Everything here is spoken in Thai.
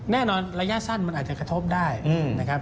ระยะสั้นมันอาจจะกระทบได้นะครับ